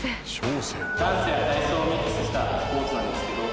ダンスや体操をミックスしたスポーツなんですけど。